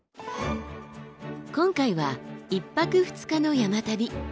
今回は１泊２日の山旅。